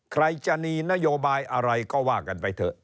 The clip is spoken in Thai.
ใครจะมีนโยบายอะไรก็ว่ากันไปเถอะ